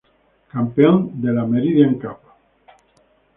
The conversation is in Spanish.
Campeón de la Meridian Cup.